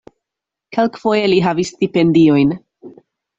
Kelkfoje li havis stipendiojn.